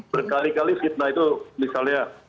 berkali kali fitnah itu misalnya